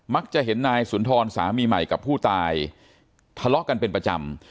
จะเห็นนายสุนทรสามีใหม่กับผู้ตายทะเลาะกันเป็นประจำ